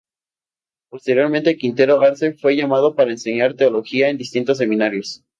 Posteriormente, Quintero Arce, fue llamado para enseñar teología en distintos seminarios.